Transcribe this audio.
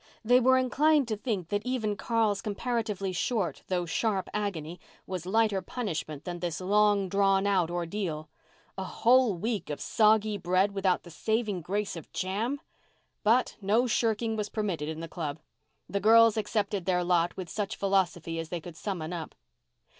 They were inclined to think that even Carl's comparatively short though sharp agony was lighter punishment than this long drawn out ordeal. A whole week of soggy bread without the saving grace of jam! But no shirking was permitted in the club. The girls accepted their lot with such philosophy as they could summon up.